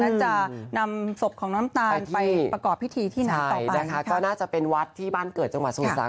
คือตอนเนี้ยพี่แชทครีนก็ได้ถูกติดต่อหมอเก๋งนะคะ